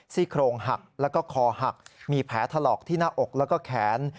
ซี่โครงหักแล้วก็คอหักมีแผลถลอกที่หน้าอกแล้วก็แขน